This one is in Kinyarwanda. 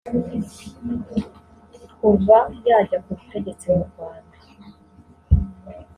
kuva yajya ku butegetsi mu Rwanda